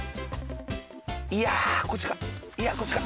いやこっちかいやこっちか。